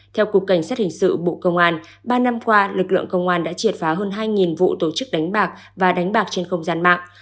theo cục cảnh sát hình sự bộ công an ba năm qua lực lượng công an đã triệt phá hơn hai vụ tổ chức đánh bạc và đánh bạc trên không gian mạng